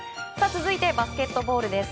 続いて、バスケットボールです。